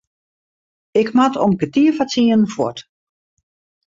Ik moat om kertier foar tsienen fuort.